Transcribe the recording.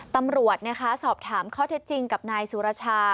ตำรวจนะคะสอบถามข้อเท็จจริงกับนายสุรชา